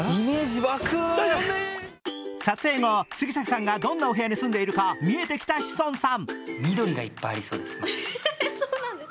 撮影後、杉咲さんがどんなお部屋に住んでいるか見えてきた志尊さん。